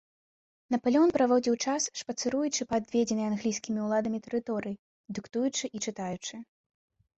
Напалеон праводзіў час, шпацыруючы па адведзенай англійскімі ўладамі тэрыторыі, дыктуючы і чытаючы.